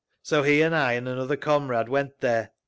So he and I and another comrade went there.